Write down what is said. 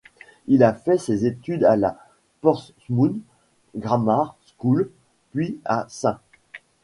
Il a fait ses études à la Portsmouth Grammar School, puis à St.